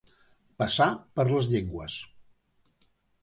Passar per les llengües.